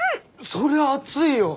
そりゃ熱いよ。